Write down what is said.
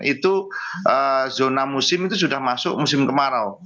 itu zona musim itu sudah masuk musim kemarau